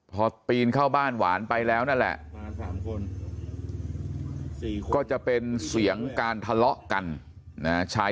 พอปีนเข้าบ้านหวานไปแล้วนั่นแหละก็จะเป็นเสียงการทะเลาะกันนะชาย